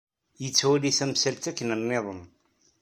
Yettwali tamsalt akken nniḍen.